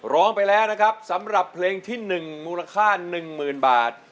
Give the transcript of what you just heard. ร้องไปแล้วนะครับสำหรับเพลงที่หนึ่งมูลค่าหนึ่งหมื่นบาท